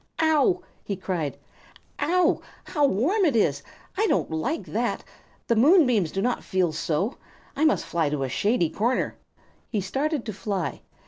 "Ow!" he cried. "Ow! How warm it is! I don't like that. The moonbeams do not feel so. I must fly to a shady corner." He started to fly.